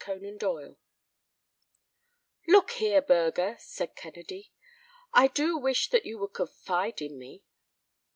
The New Catacomb "Look here, Burger," said Kennedy, "I do wish that you would confide in me."